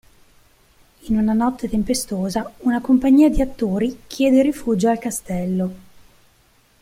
In una notte tempestosa una compagnia di attori chiede rifugio al castello.